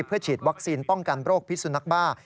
เพื่อฉีดวัคซีนป้องกันโรคพิสุนักบ้า